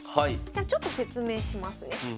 じゃあちょっと説明しますね。